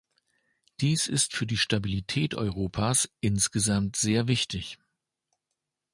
Dies ist für die Stabilität Europas insgesamt sehr wichtig.